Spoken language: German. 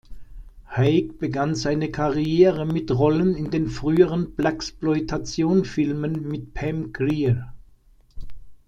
Haig begann seine Karriere mit Rollen in den früheren Blaxploitation-Filmen mit Pam Grier.